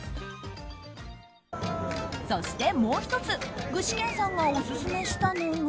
そして、もう１つ具志堅さんがオススメしたのが。